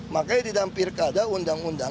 makanya tidak hampir keadaan undang undang